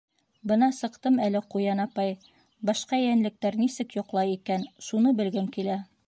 — Бына сыҡтым әле, Ҡуян апай, башҡа йәнлектәр нисек йоҡлай икән, шуны белгем килә.